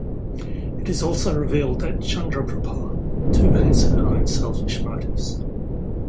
It is also revealed that Chandraprabha too has her own selfish motives.